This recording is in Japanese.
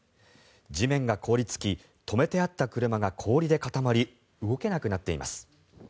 地面が凍りつき止めてあった車が氷で固まり動けなくなっています。